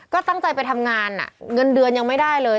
ก็ตั้งใจไปทำงานเงินเดือนยังไม่ได้เลย